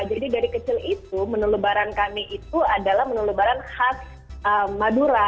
jadi dari kecil itu menu lebaran kami itu adalah menu lebaran khas madura